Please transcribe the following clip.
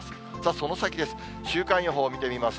その先です。